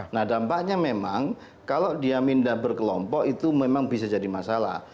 nah dampaknya memang kalau dia mindah berkelompok itu memang bisa jadi masalah